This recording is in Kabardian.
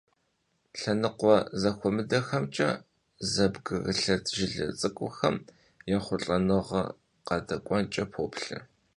Лъэныкъуэ зэхуэмыдэхэмкӀэ зэбгрылъэт жылэ цӀыкӀухэм ехъулӀэныгъэ къадэкӏуэнкӀэ поплъэ.